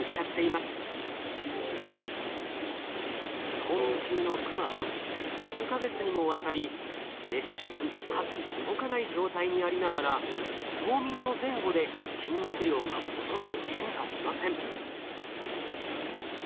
冬眠中のクマは数か月にもわたり絶食かつ動かない状態にありながら冬眠の前後で筋肉量がほとんど変化しません。